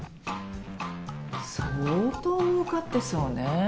相当もうかってそうね